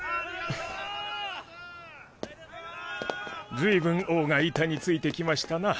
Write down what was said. ずいぶん王が板についてきましたな。